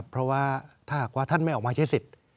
เพราะว่าถ้าหากว่าท่านไม่ออกมาใช้สิทธิ์